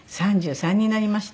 ３３になりました。